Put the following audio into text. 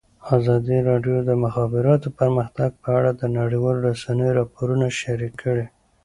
ازادي راډیو د د مخابراتو پرمختګ په اړه د نړیوالو رسنیو راپورونه شریک کړي.